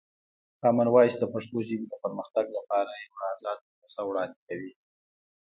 کامن وایس د پښتو ژبې د پرمختګ لپاره یوه ازاده پروسه وړاندې کوي.